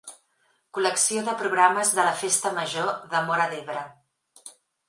Col·lecció de programes de Festa Major de Móra d'Ebre.